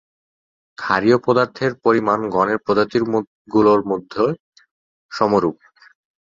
ক্ষারীয় পদার্থের পরিমাণ গণের প্রজাতিগুলির মধ্যে সমরূপ।